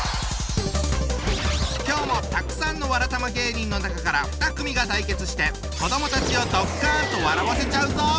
今日もたくさんのわらたま芸人の中から２組が対決して子どもたちをドッカンと笑わせちゃうぞ！